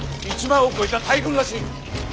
１万を超えた大軍らしい。